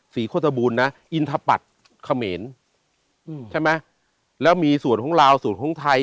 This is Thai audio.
ศรีโคตรบูลนะอินทหัวปัดเขมรใช่ไหมแล้วมีส่วนของราวส่วนของไทย